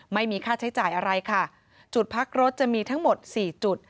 ไม่มีค่าใช้จ่ายอะไรค่ะจุดพักรถจะมีทั้งหมดสี่จุด